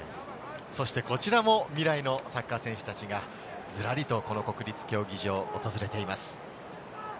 こちらも未来のサッカー選手達がずらりと、この国立競技場を訪れています。